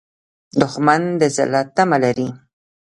دښمن د ذلت تمه لري